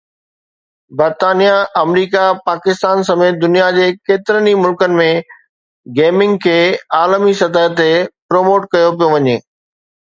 برطانيا، آمريڪا، پاڪستان سميت دنيا جي ڪيترن ئي ملڪن ۾ گيمنگ کي عالمي سطح تي پروموٽ ڪيو پيو وڃي